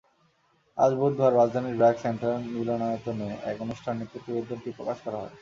আজ বুধবার রাজধানীর ব্র্যাক সেন্টার মিলনায়তনে এক অনুষ্ঠানে প্রতিবেদনটি প্রকাশ করা হয়।